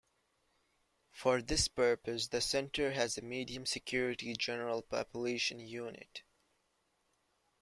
For this purpose, the center has a medium security general population unit.